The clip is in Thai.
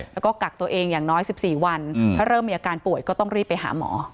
แล้วก็กักตัวเองอย่างน้อย๑๔วันถ้าเริ่มมีอาการป่วยก็ต้องรีบไปหาหมอ